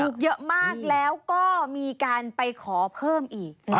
เยอะมากแล้วก็มีการไปขอเพิ่มอีก